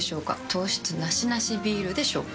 糖質ナシナシビールでしょうか？